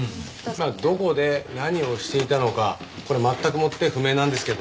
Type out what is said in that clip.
まあどこで何をしていたのかこれは全くもって不明なんですけどね。